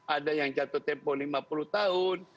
ada yang jatuh tempo lima puluh tahun